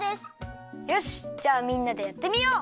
よしじゃあみんなでやってみよう！